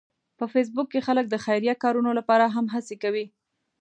په فېسبوک کې خلک د خیریه کارونو لپاره هم هڅې کوي